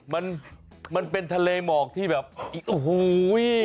มันมันเป็นทะเลหมอกที่แบบโอ้โห